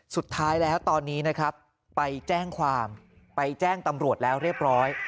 สุดท้ายแล้วตอนนี้นะครับไปแจ้งความไปแจ้งตำรวจแล้วเรียบร้อย